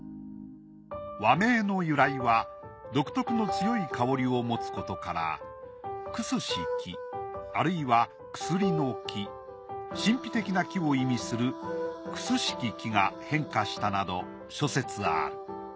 和名の由来は独特の強い香りを持つことから臭し木あるいは薬の木神秘的な木を意味する奇しき木が変化したなど諸説ある。